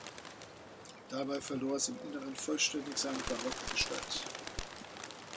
Dabei verlor es im Innern vollständig seine barocke Gestalt.